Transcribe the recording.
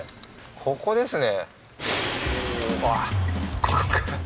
ここですね